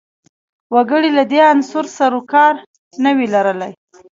وګړي له دې عنصر سر و کار نه وي لرلای